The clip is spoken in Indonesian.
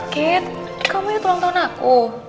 kate kamu ingat ulang tahun aku